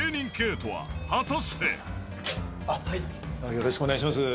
よろしくお願いします。